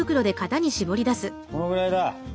このぐらいか！